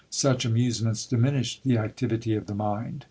Such amusements diminish the activity of the mind.